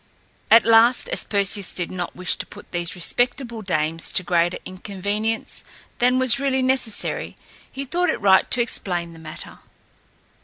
At last, as Perseus did not wish to put these respectable dames to greater inconvenience than was really necessary, he thought it right to explain the matter.